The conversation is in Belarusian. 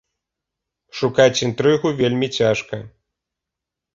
Шукаць інтрыгу вельмі цяжка.